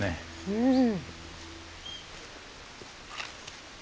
うん。